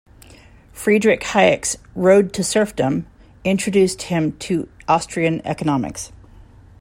Friedrich Hayek's "Road to Serfdom" introduced him to Austrian economics.